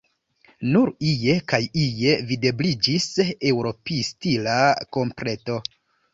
Nur ie kaj ie videbliĝis Eŭropstila kompleto.